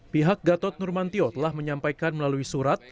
pihak gatot nurmantio telah menyampaikan melalui surat